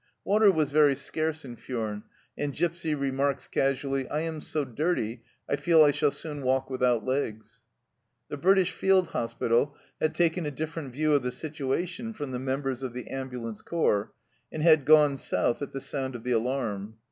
Water was very scarce in Furnes, and Gipsy remarks casually, " I am so dirty, I feel I shall soon walk without legs !" The British field hospital had taken a different view of the situation from the members of the ambu lance corps, and had gone south at the sound of the alarm.